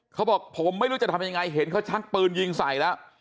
เขาบอกผมไม่รู้จะทำยังไงเห็นเขาชักปืนยิงใส่แล้ว